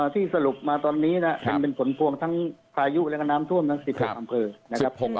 ที่สรุปมาตอนนี้เห็นเป็นฝนพวงทั้งพายุและน้ำท่วมทั้ง๑๖อำเภอ